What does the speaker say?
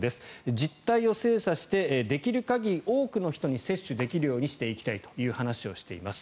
実態を精査してできる限り多くの人に接種できるようにしていきたいという話をしています。